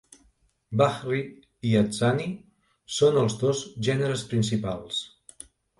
Bahri i Adsani són els dos gèneres principals.